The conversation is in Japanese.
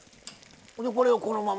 これをこのまま？